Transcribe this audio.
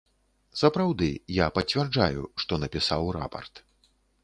Сапраўды, я пацвярджаю, што напісаў рапарт.